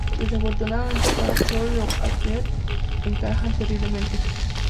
Desafortunadamente para Theory Of A Deadman, encajan terriblemente".